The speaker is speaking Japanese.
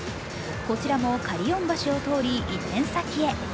こちらもカリヨン橋を通り、移転先へ。